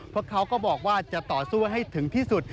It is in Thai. พวกเขาก็บอกว่าจะต่อสู้ให้ถึงที่สุด